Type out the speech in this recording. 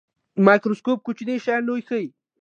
مایکروسکوپ کوچني شیان لوی ښيي